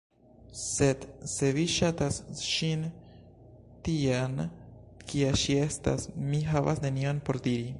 Sed se vi ŝatas ŝin tian, kia ŝi estas, mi havas nenion por diri.